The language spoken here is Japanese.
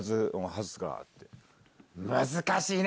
難しいね！